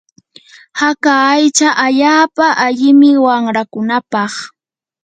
haka aycha allaapa allimi wanrakunapaq.